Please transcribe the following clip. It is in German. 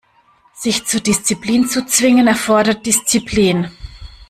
Sich zur Disziplin zu zwingen, erfordert Disziplin.